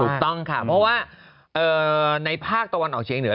ถูกต้องค่ะเพราะว่าในภาคตะวันออกเชียงเหนือ